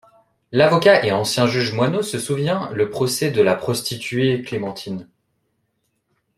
L'avocat et ancien juge Moineau se souvient le procès de la prostituée Clémentine.